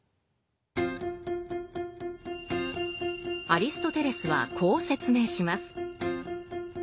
アリストテレスはこう説明します。